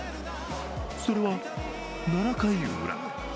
それは７回ウラ。